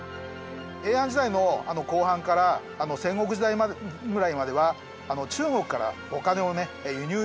平安時代の後半から戦国時代ぐらいまでは中国からお金をね輸入して使っていたんです。